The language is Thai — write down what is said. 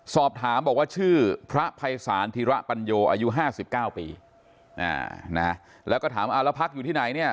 สอบถามบอกว่าชื่อพระไพรศาลธิระปัญโยอายุ๕๙ปีนะแล้วก็ถามแล้วพักอยู่ที่ไหนเนี่ย